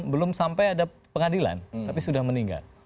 belum sampai ada pengadilan tapi sudah meninggal